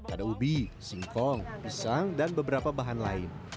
ada ubi singkong pisang dan beberapa bahan lain